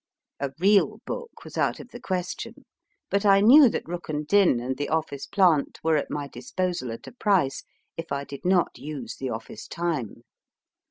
A real book was out of the question, but I knew that Rukn Din and the office plant were at my disposal at a price, if I did not use the office time.